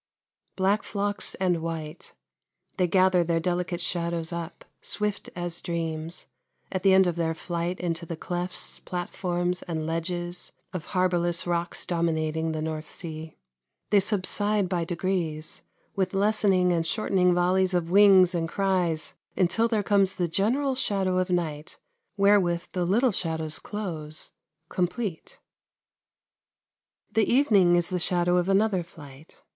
Black flocks and white they gather their delicate shadows up, "swift as dreams," at the end of their flight into the clefts, platforms, and ledges of harbourless rocks dominating the North Sea. They subside by degrees, with lessening and shortening volleys of wings and cries until there comes the general shadow of night wherewith the little shadows close, complete. The evening is the shadow of another flight.